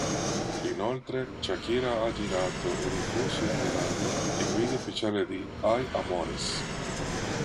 Inoltre, Shakira ha girato, e diffuso in gennaio, il video ufficiale di "Hay Amores".